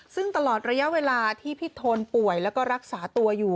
ซึ่งตลอดระยะเวลาที่พี่โทนป่วยแล้วก็รักษาตัวอยู่